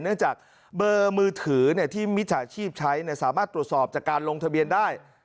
เนื่องจากเบอร์มือถือที่มิจฉาชีพใช้สามารถตรวจสอบจากการลงทะเบียนได้